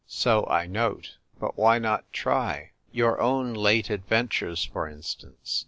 " So I note. But why not try ; your own late adventures, for instance